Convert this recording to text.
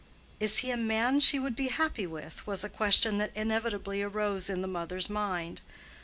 "Is he a man she would be happy with?"—was a question that inevitably arose in the mother's mind.